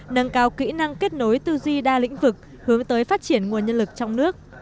nâng cao kỹ năng kết nối tư duy đa lĩnh vực hướng tới phát triển nguồn nhân lực trong nước